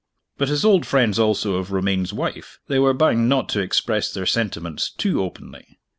But as old friends also of Romayne's wife, they were bound not to express their sentiments too openly.